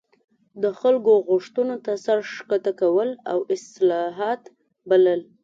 د خلکو غوښتنو ته سر ښکته کول او اصلاحات بلل.